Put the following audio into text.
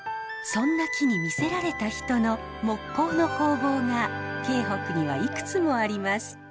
そんな木に魅せられた人の木工の工房が京北にはいくつもあります。